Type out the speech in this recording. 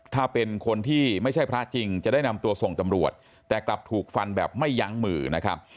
ถ้าเป็นคนที่ไม่ใช่พระจริงจะได้นำตัวส่งตำรวจแต่กลับถูกฟันแบบไม่ยั้งมือนะครับ